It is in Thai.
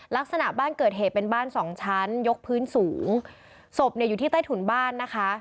ลักษณะบ้านเกิดเหตุเป็นบ้านสองชั้นยกพื้นสูงศพเนี่ยอยู่ที่ใต้ถุนบ้านนะคะ